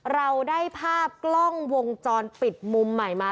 เราได้ภาพกล้องวงจรปิดมุมใหม่มา